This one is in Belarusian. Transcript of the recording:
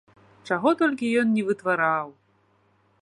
Чаго толькі ён не вытвараў!